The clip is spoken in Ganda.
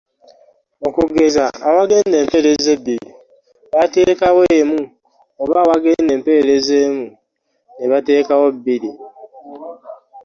Okugeza awagenda empeerezi ebbiri bateekawo emu oba awagenda empeerezi emu ne bateekawo bbiri.